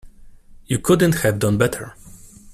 You couldn't have done better.